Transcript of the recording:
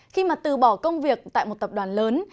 khi mà từ bỏ công việc tại một tập đoàn lớn